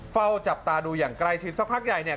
เฝ้าจับตาดูอย่างใกล้ชิดสักพักใหญ่เนี่ย